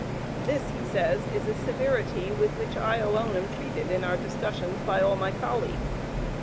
"This," he says, "is a severity with which I alone am treated in our discussions by all my colleagues.